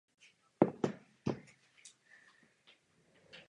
Až do první světové války Jáchymov držel monopol na výrobu radia.